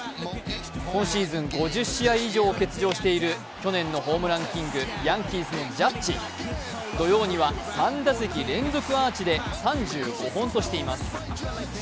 今シーズン５０試合以上を欠場している去年のホームランキング、ヤンキースのジャッジ、土曜には３打席連続アーチで３５本としています。